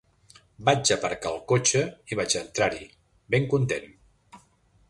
Vaig aparcar el cotxe i vaig entrar-hi, ben content.